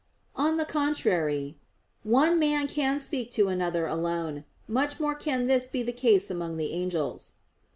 On the contrary, One man can speak to another alone; much more can this be the case among the angels.